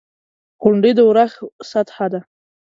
• غونډۍ د اورښت سطحه ټاکي.